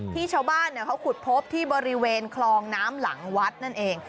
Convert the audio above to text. ที่ชาวบ้านเขาขุดพบที่บริเวณคลองน้ำหลังวัดนั่นเอง